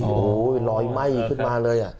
อยู่นอยไหม้ขึ้นมาเลย